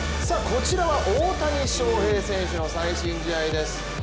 こちらは大谷翔平選手の最新試合です。